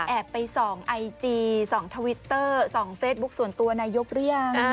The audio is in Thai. ไปส่องไอจีส่องทวิตเตอร์ส่องเฟซบุ๊คส่วนตัวนายกหรือยัง